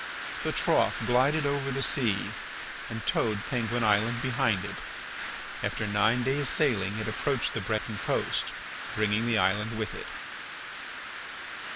The trough glided over the sea and towed Penguin Island behind it; after nine days' sailing it approached the Breton coast, bringing the island with it.